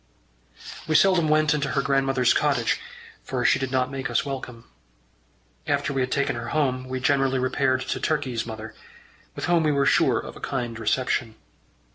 We seldom went into her grandmother's cottage, for she did not make us welcome. After we had taken her home we generally repaired to Turkey's mother, with whom we were sure of a kind reception.